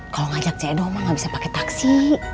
kalau ngajak ce edo emak enggak bisa pakai taksi